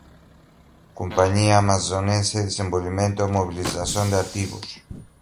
Companhia Amazonense de Desenvolvimento e Mobilização de Ativos